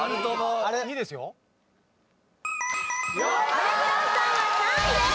阿部寛さんは３位です。